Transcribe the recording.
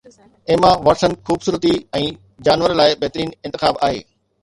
ايما واٽسسن خوبصورتي ۽ جانور لاءِ بهترين انتخاب آهي